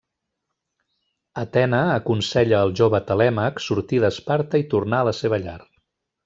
Atena aconsella el jove Telèmac sortir d'Esparta i tornar a la seva llar.